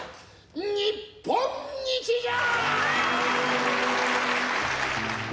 日本一じゃ！